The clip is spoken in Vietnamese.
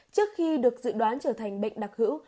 trước khi được dự đoán trở thành bệnh đặc hữu